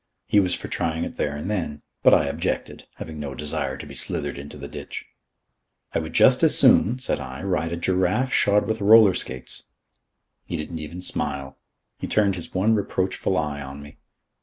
He was for trying it there and then; but I objected, having no desire to be slithered into the ditch. "I would just as soon," said I, "ride a giraffe shod with roller skates." He didn't even smile. He turned his one reproachful eye on me.